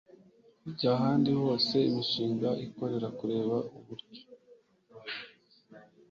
kujya ahandi hose imishinga ikorera kureba uburyo